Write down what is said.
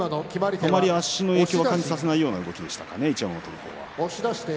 あまり足の影響は感じさせないようなどうなんでしょうね。